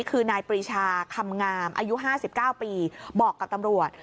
คือนายปรีชาคำงามอายุ๕๙ปีบอกกับตำรวจ